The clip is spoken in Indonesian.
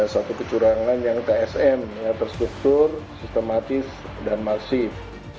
satu kecurangan yang tsm yang terstruktur sistematis dan masif